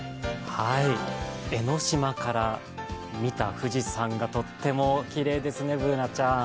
江の島から見た富士山がとってもきれいですね、Ｂｏｏｎａちゃん。